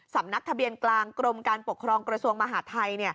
สำนักทะเบียนกลางกรมการปกครองกระทรวงมหาทัย